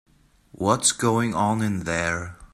What's going on in there?